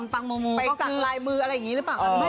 ไปสักหลายมืออะไรแบบนี้หรือเปล่าค่ะ